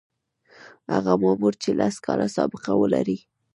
هغه مامور چې لس کاله سابقه ولري.